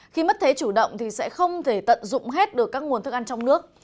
khi mất thế chủ động thì sẽ không thể tận dụng hết được các nguồn thức ăn trong nước